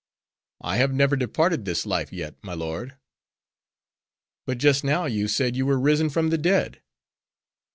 "I have never departed this life yet, my lord." "But just now you said you were risen from the dead."